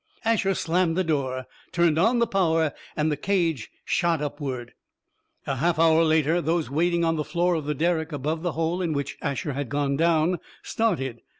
Asher slammed the door, turned on the power, and the cage shot upward. A half hour later, those waiting on the floor of the derrick above the hole in which Asher had gone down, started.